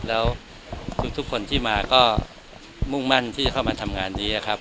แล้วทุกคนที่มาก็มุ่งมั่นที่จะเข้ามาทำงานนี้ครับ